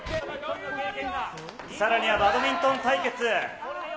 さらにはバドミントン対決。